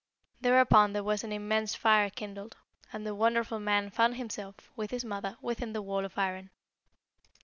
Thereupon there was an immense fire kindled, and the Wonderful Man found himself, with his mother, within the wall of iron.